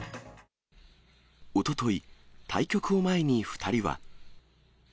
おととい、対局を前に２人は。